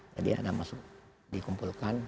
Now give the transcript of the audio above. jadi ada masuk dikumpulkan